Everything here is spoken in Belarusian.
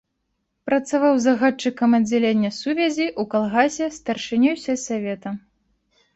Працаваў загадчыкам аддзялення сувязі, у калгасе, старшынёй сельсавета.